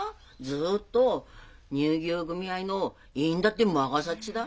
ずっと乳牛組合の委員だって任さっちだ。